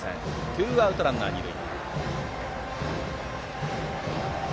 ツーアウトランナーは二塁。